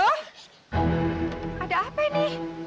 ada apa ini